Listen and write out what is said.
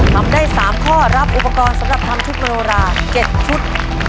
ทำได้๓ข้อรับอุปกรณ์สำหรับทำชุดมโนรา๗ชุด